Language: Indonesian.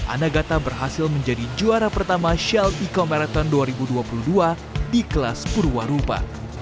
anagata berhasil menjadi juara pertama shell eco marathon dua ribu dua puluh dua di kelas purwarupa